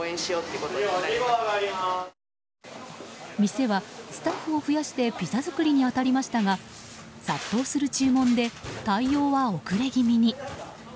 店はスタッフを増やしてピザ作りに当たりましたが殺到する注文で対応は遅れ気味に。